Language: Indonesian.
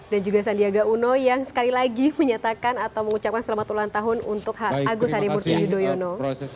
dan juga sandiaga uno yang sekali lagi menyatakan atau mengucapkan selamat ulang tahun untuk agus harimurti yudhoyono